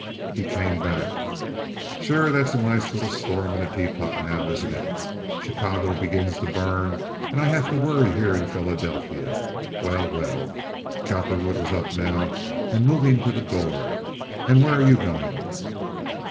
He came back. "Sure that's a nice little storm in a teapot, now, isn't it? Chicago begins to burn, and I have to worry here in Philadelphia. Well, well—" Cowperwood was up now and moving to the door. "And where are you going?"